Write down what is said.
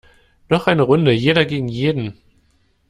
Noch eine Runde jeder gegen jeden!